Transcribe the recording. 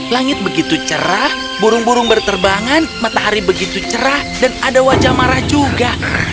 langit begitu cerah burung burung berterbangan matahari begitu cerah dan ada wajah marah juga